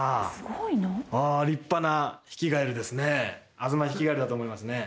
アズマヒキガエルだと思いますね。